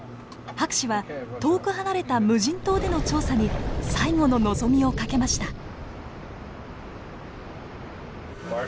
博士は遠く離れた無人島での調査に最後の望みを懸けました。